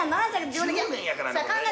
１０年やからね。